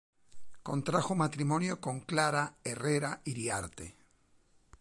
Contrajo matrimonio con Clara Herrera Iriarte.